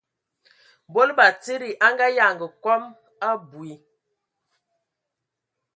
Mbol batsidi a nganyanga kom abui,